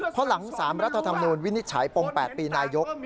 เพราะหลัง๓รัฐธรรมนูญวินิจฉัยปม๘ปีนายก